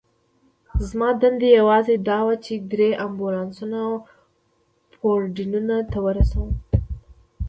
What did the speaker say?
زما دنده یوازې دا وه، چې درې امبولانسونه پورډینون ته ورسوم.